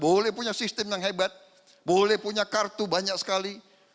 boleh punya sistem yang hebat boleh punya kartu banyak sekali